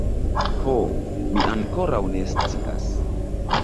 Ho, mi ankoraŭ ne scias.